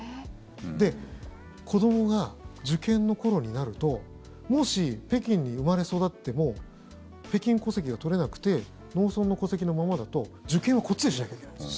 子どもが受験の頃になるともし、北京に生まれ育っても北京戸籍が取れなくて農村の戸籍のままだと受験はこっちでしなきゃいけないんです。